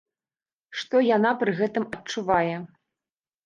Што яна пры гэтым адчувае?